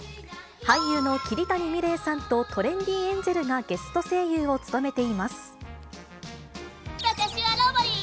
俳優の桐谷美玲さんとトレンディエンジェルがゲスト声優を務めて私はロボリィ。